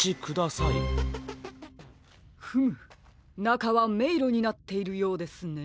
なかはめいろになっているようですね。